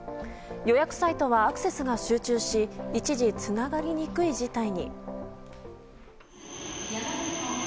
予約サイトはアクセスが集中し一時つながりにくい事態に。